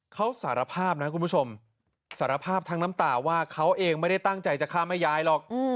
เขาสารภาพนะคุณผู้ชมสารภาพทั้งน้ำตาว่าเขาเองไม่ได้ตั้งใจจะฆ่าแม่ยายหรอก